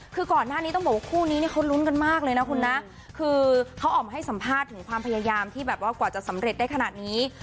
คือก่อนหน้านี้ต้องบอกว่าคู่นี้เนี่ยเขาลุ้นกันมากเลยนะคุณนะคือเขาออกมาให้สัมภาษณ์ถึงความพยายามที่แบบว่ากว่าจะสำเร็จได้ขนาดนี้